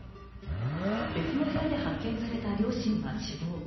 別の部屋で発見された両親は死亡。